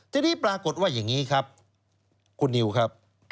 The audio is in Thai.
ทีนี้ปรากฏว่าอย่างนี้ครับคุณนิวครับ